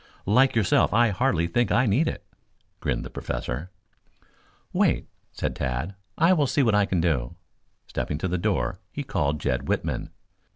"Like yourself I hardly think I need it," grinned the Professor. "Wait," said Tad. "I will see what I can do." Stepping to the door he called Jed Whitman.